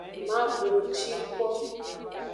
Ma bunci kpo.